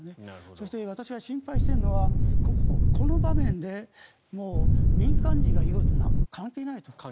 そして私が心配しているのはこの場面で民間人がいようと関係ないと。